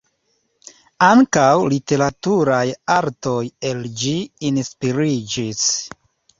Ankaŭ literaturaj artoj el ĝi inspiriĝis.